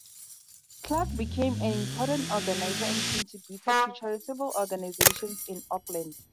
Clark became an important organiser and contributor to charitable organisations in Auckland.